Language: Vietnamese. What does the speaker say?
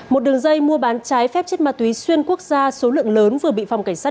một đường dây mua bán trái phép chất ma túy xuyên quốc gia số lượng lớn vừa bị phòng cảnh sát